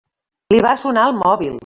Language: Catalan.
Li va sonar el mòbil.